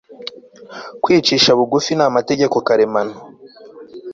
Kwicisha bugufi ni amategeko karemano